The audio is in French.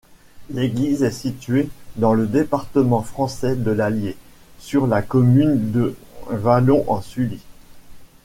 L'église est située dans le département français de l'Allier, sur la commune de Vallon-en-Sully.